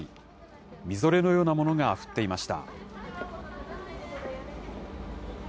みぞれのようなものが降っていました。